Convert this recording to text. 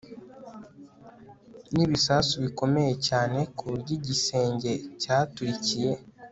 nibisasu bikomeye cyane kuburyo igisenge cyaturikiye